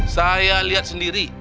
saya lihat sendiri